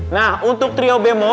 nah untuk trio bemo